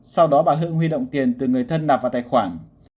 sau đó bà hữu huy động tiền từ người thân nạp vào tài khoản